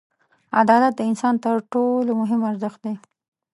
• عدالت د انسان تر ټولو مهم ارزښت دی.